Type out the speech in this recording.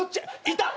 いた！